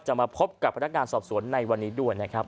มาพบกับพนักงานสอบสวนในวันนี้ด้วยนะครับ